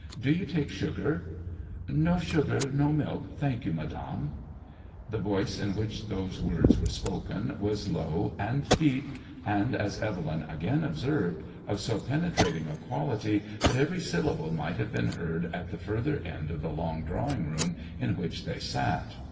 Do you take sugar ?" ''No sugar, no milk, thank you, Madame." MADEMOISELLK IXS. The voice in which those words were spoken was low and deep, and, as Evel}na again observed, of so penetrating a quality that every syllable might have been heard at the further end of the long drawing room in which they sat.